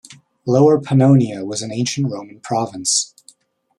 Lower Pannonia, was an ancient Roman province.